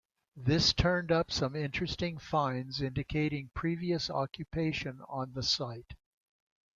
This turned up some interesting finds indicating previous occupation on the site.